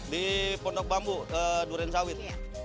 di pondok bambu durensawit